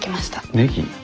ネギ！